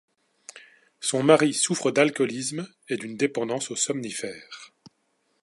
Son mari souffre d'alcoolisme et d'une dépendance aux somnifères.